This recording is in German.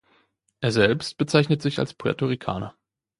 Er selbst bezeichnet sich als Puerto-Ricaner.